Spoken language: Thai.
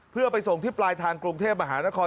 เพื่อไปส่งที่ปลายทางกรุงเทพมหานคร